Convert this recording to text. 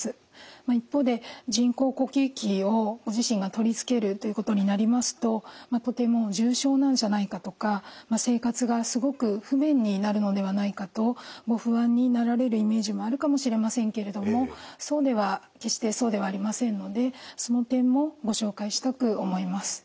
一方で人工呼吸器をご自身が取り付けるということになりますととても重症なんじゃないかとか生活がすごく不便になるのではないかとご不安になられるイメージもあるかもしれませんけれどもそうでは決してそうではありませんのでその点もご紹介したく思います。